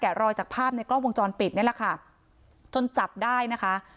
รอยจากภาพในกล้องวงจรปิดนี่แหละค่ะจนจับได้นะคะ